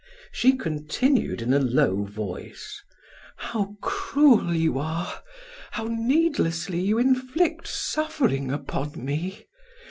She continued in a low voice: "How cruel you are! How needlessly you inflict suffering upon me.